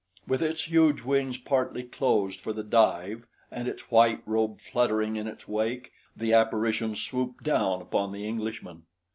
With its huge wings partly closed for the dive and its white robe fluttering in its wake, the apparition swooped down upon the Englishman.